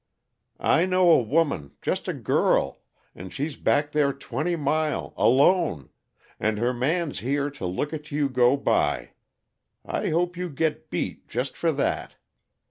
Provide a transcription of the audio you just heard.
"I know a woman just a girl and she's back there twenty mile alone, and her man's here to look at you go by! I hope you git beat, just for that!